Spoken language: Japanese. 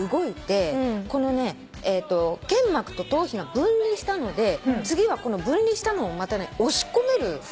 腱膜と頭皮が分離したので次はこの分離したのをまたね押し込める。